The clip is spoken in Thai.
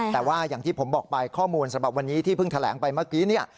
แต่ว่าอย่างที่ผมบอกไปข้อมูลสำหรับวันนี้ที่เพิ่งแถลงไปเมื่อกี้เนี่ย